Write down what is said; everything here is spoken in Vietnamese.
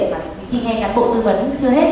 và khi nghe cán bộ tư vấn chưa hết